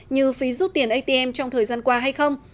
như phí rút tiền atm trong thời gian qua hay không